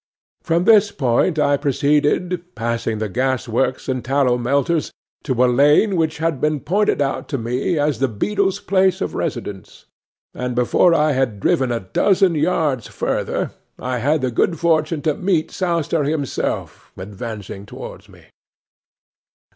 From this point I proceeded—passing the gas works and tallow melter's—to a lane which had been pointed out to me as the beadle's place of residence; and before I had driven a dozen yards further, I had the good fortune to meet Sowster himself advancing towards me.